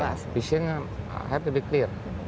iya visinya harus jelas